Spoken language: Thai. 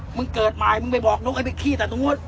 มึงเกิดใหม่มึงไปบอกนกให้ไปขี้แต่ตรงนู้น